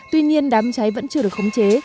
tuy nhiên đám cháy vẫn chưa được khống chế